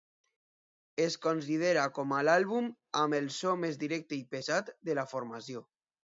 Es considera com a l'àlbum amb el so més directe i pesat de la formació.